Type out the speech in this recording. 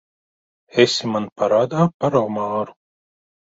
Esi man parādā par omāru.